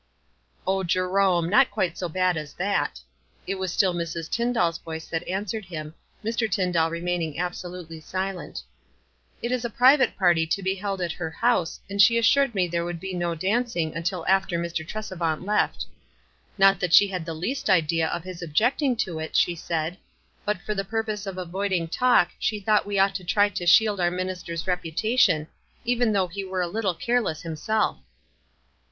" O Jerome !— not quite so bad as that." It was still Mrs. Tyndail's voice that answered him, Mr. Tyndall remaining absolutely silent. "It is a private party to be held at her house, and she assured me that there would be no dancing until after Mr. Tresevant left. Not that she had the least idea of his objecting to it, she said; but for the purpose of avoiding talk she thought we ought to try to shield our min ister's reputation, even though he were a little careless himself."